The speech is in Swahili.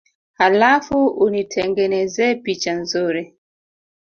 Halafu unitengenezee picha nzuri